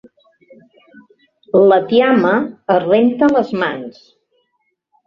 La tiama es renta les mans.